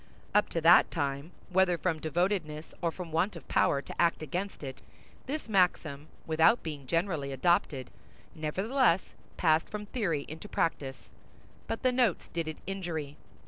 Up to that time, whether from devotedness or from want of power to act against it, this maxim, without being generally adopted, nevertheless passed from theory into practice; but the notes did it injury.